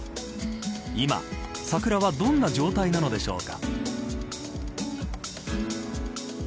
今、桜はどんな状態なのでしょうか。